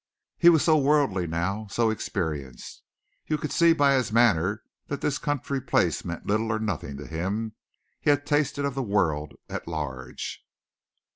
He was so worldly now, so experienced. You could see by his manner that this country place meant little or nothing to him. He had tasted of the world at large.